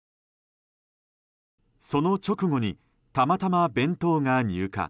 その直後にたまたま弁当が入荷。